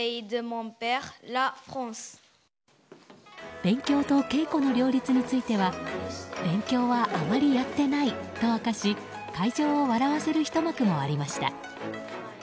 勉強と稽古の両立については勉強はあまりやっていないと明かし会場を笑わせるひと幕もありました。